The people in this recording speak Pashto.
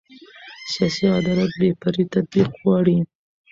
سیاسي عدالت بې پرې تطبیق غواړي